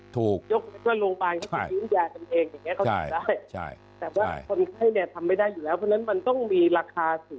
ถูกยกว่าโรงพยาบาลก็จะยืมยากันเองอย่างงี้เขาทำได้